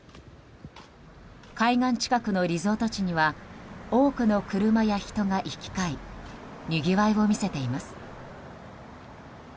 海岸近くのリゾート地には多くの車や人が行き交いにぎわいを見せています。